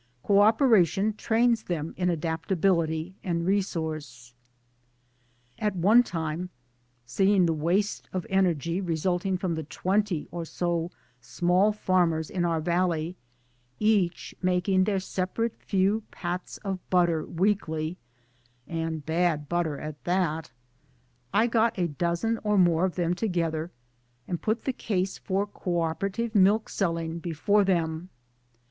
Co operation trains them in adaptability and resource. At one time seeing the waste of energy resulting from the twenty or so small farmers in our valley each making their separate few pats of butter weekly (and bad butter at that 1) I got a dozen or more of them together and put the case for co operative milk selling] before them.